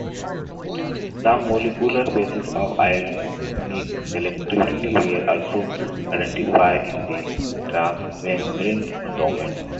The molecular basis of ionic selectivity were also identified in the transmembrane domain.